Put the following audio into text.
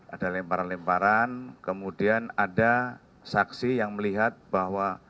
ada lemparan lemparan kemudian ada saksi yang melihat bahwa